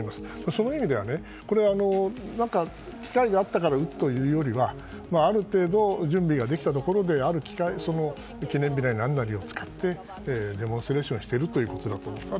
その意味では、これは機会があったから撃ったというよりはある程度、準備ができたところでその記念日なり何なりを使ってデモンストレーションをしたということだと思います。